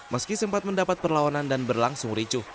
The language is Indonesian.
meski sempat mendapat perlawanan dan berlangsung ricuh